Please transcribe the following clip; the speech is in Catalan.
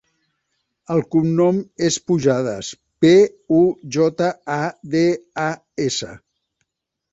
El cognom és Pujadas: pe, u, jota, a, de, a, essa.